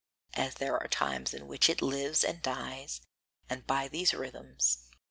as there are times in which it lives and dies; and by these rhythms ...